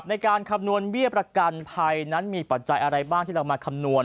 ในการคำนวณเบี้ยประกันภัยนั้นมีปัจจัยอะไรบ้างที่เรามาคำนวณ